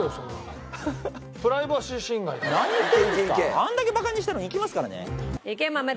あんだけバカにしたらいきますからね。